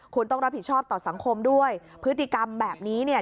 คุณต้องรับผิดชอบต่อสังคมด้วยพฤติกรรมแบบนี้เนี่ย